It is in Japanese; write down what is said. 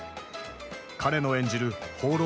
彼の演じる放浪の紳士